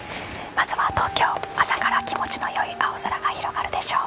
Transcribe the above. まずは東京朝から気持ちのいい青空が広がるでしょう。